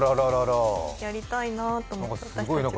やりたいなと思って、私たちも。